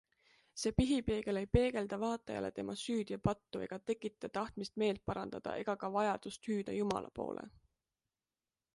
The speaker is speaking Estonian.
See pihipeegel ei peegelda vaatajale tema süüd ja pattu ega tekita tahtmist meelt parandada ega ka vajadust hüüda Jumala poole.